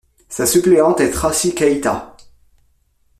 Sa suppléante est Tracy Keïta.